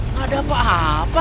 nggak ada apa apa